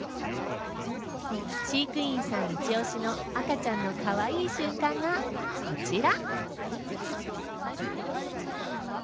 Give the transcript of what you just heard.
飼育員さんイチ押しの赤ちゃんのかわいい瞬間がこちら。